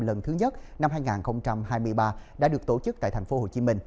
lần thứ nhất năm hai nghìn hai mươi ba đã được tổ chức tại tp hcm